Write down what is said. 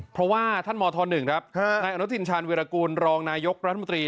เพราะว่าท่านมธ๑ครับนายอนุทินชาญวิรากูลรองนายกรัฐมนตรี